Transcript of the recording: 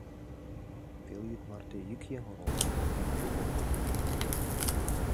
— Пелйӱд марте ик еҥ орола, вараже — коктын.